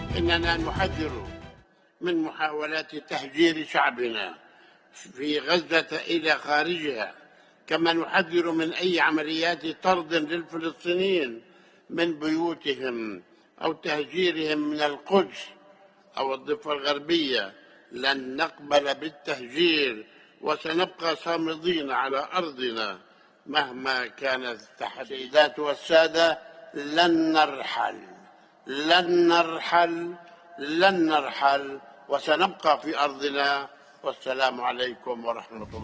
pernyataan abbas disampaikan saat menghadiri konferensi tingkat tinggi perdamaian di cairo mesir